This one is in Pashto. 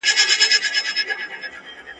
ځان به ولي د ښکاری و تور ته ورکړي ..